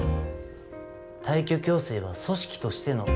退去強制は組織としての決定です。